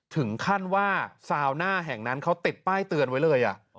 ถึงขั้นว่าซาวหน้าแห่งนั้นเขาติดป้ายเตือนไว้เลย